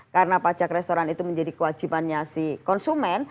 karena pajak restoran itu menjadi kewajibannya si konsumen